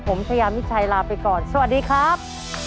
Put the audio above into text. ผมชายามิชัยลาไปก่อนสวัสดีครับ